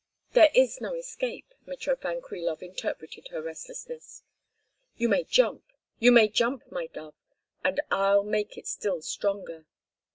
"There is no escape!" Mitrofan Krilov interpreted her restlessness. "You may jump, you may jump, my dove, and I'll make it still stronger."